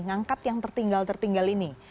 ngangkat yang tertinggal tertinggal ini